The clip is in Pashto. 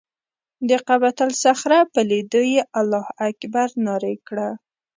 د قبة الصخره په لیدو یې الله اکبر نارې کړه.